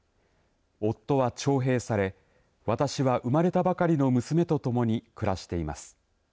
夫は徴兵され私は生まれたばかりの娘と共に暮らしています。